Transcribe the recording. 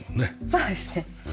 そうですね。